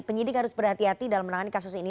penyidik harus berhati hati dalam menangani kasus ini